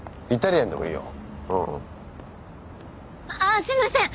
あすいません。